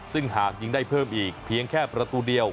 ซึ่งหากยิงได้เพิ่มอีกเพียงแค่ประตูเดียว